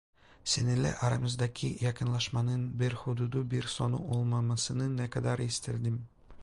Seninle aramızdaki yakınlaşmanın bir hududu, bir sonu olmamasını ne kadar isterdim.